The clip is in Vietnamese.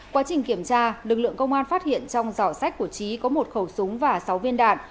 quá trình kiểm tra lực lượng công an phát hiện trong giỏ sách của trí có một khẩu súng và sáu viên đạn